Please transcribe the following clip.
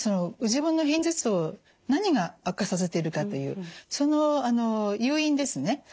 ご自分の片頭痛何が悪化させているかというその誘因ですね